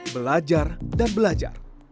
belajar dan belajar